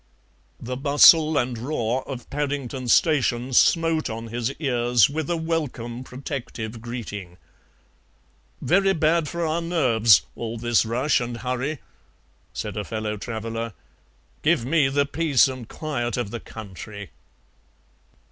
The bustle and roar of Paddington Station smote on his ears with a welcome protective greeting. "Very bad for our nerves, all this rush and hurry," said a fellow traveller; "give me the peace and quiet of the country."